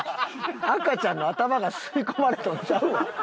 赤ちゃんの頭が吸い込まれとるんちゃうわ。